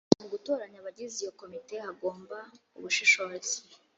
mu gutoranya abagize iyo komite hagomba ubushishozi